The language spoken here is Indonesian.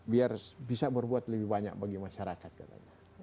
biar bisa berbuat lebih banyak bagi masyarakat katanya